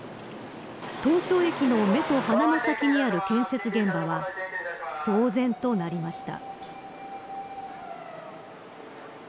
東京駅の目と鼻の先にある建設現場は騒然となりました。